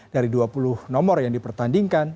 dari dua puluh nomor yang dipertandingkan